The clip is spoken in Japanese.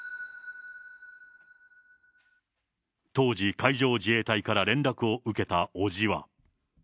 当時、海上自衛隊から連絡を受けた伯父は。